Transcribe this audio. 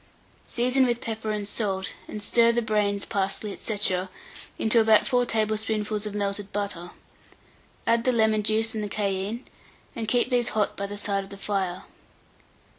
Season with pepper and salt, and stir the brains, parsley, &c., into about 4 tablespoonfuls of melted butter; add the lemon juice and cayenne, and keep these hot by the side of the fire.